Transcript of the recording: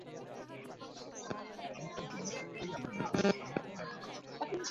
আমি তোর দিওয়ানা, তুই আমার মজনু, আমি তোর লায়লা।